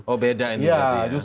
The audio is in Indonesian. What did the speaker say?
oh beda ini berarti ya